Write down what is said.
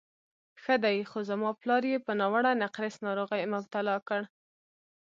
ښه دی، خو زما پلار یې په ناوړه نقرس ناروغۍ مبتلا کړ.